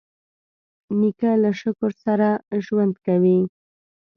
نیکه له شکر سره ژوند کوي.